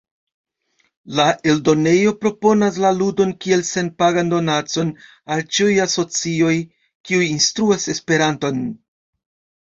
La eldonejo proponas la ludon kiel senpagan donacon al ĉiuj asocioj kiuj instruas Esperanton.